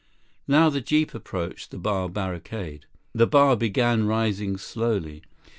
Now the jeep approached the bar barricade. The bar began rising slowly.